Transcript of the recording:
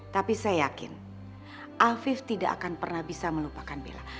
tapi saya yakin afif tidak akan pernah bisa melupakan bila